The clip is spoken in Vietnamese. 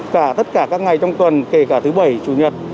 cả tất cả các ngày trong tuần kể cả thứ bảy chủ nhật